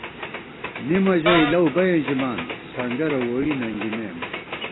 مِمہ ژَئی لَؤبئیں ژِمان، سنگَرہ ووئی ننگِمېم